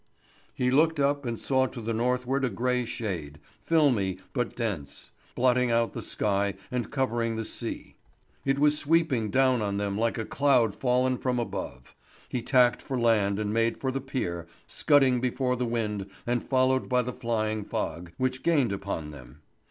He looked up and saw to the northward a gray shade, filmy but dense, blotting out the sky and covering the sea; it was sweeping down on them like a cloud fallen from above. He tacked for land and made for the pier, scudding before the wind and followed by the flying fog, which gained upon them.